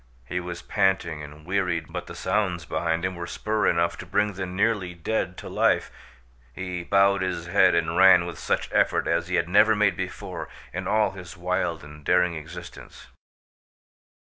He was panting and wearied, but the sounds behind him were spur enough to bring the nearly dead to life. He bowed his head and ran with such effort as he had never made before in all his wild and daring existence.